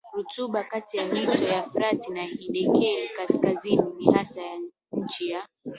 rutuba kati ya mito ya Frati na Hidekeli Kaskazini ni hasa nchi ya